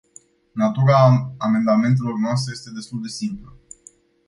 Natura amendamentelor noastre este destul de simplă.